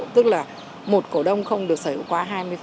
tức là một cổ đông không được sở hữu quá hai mươi